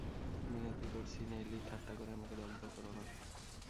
মিনতি করছি নেলি, ঠাট্টা করে আমাকে দগ্ধ করো না।